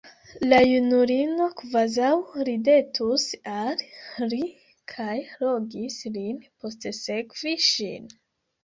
La junulino kvazaŭ ridetus al li kaj logis lin postsekvi ŝin.